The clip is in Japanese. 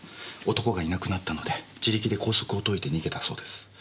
男がいなくなったので自力で拘束を解いて逃げたそうです。